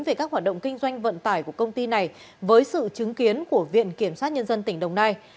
về các hoạt động kinh doanh vận tải của công ty này với sự chứng kiến của viện kiểm sát nhân dân tỉnh đồng nai